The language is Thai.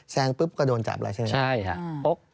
แซงปุ๊บก็โดนจับเลยใช่ไหมครับ